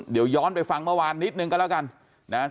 เดี๋ยวย้อนไปฟังเมื่อวานนิดนึงก็แล้วกันนะครับ